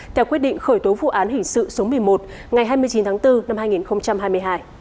theo quyết định khởi tố vụ án hình sự số một mươi một ngày hai mươi chín tháng bốn năm hai nghìn hai mươi hai